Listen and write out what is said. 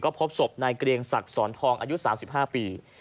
ก็พบศพในเกรียงศักดิ์ศรีสอนทองอายุ๓๕ปี